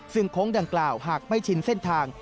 ซึ่งโค้งดังกล่าวหากไม่ชินเส้นทาง